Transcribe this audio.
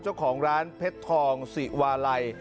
เจ้าของร้านเพชรทองสิวาลัย